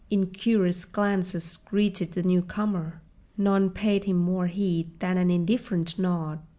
Incurious glances greeted the newcomer: none paid him more heed than an indifferent nod.